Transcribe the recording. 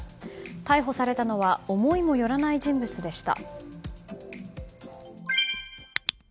逮捕されたのは思いもよらない人物でした。